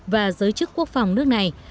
và giới chức quốc phòng nước này